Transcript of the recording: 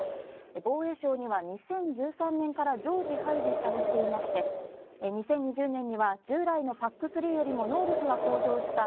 防衛省には、２０１３年から常時配備されていまして、２０２０年には従来のＰＡＣ３よりも能力が向上した